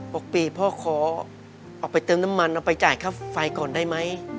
ปีพ่อขอออกไปเติมน้ำมันเอาไปจ่ายค่าไฟก่อนได้ไหม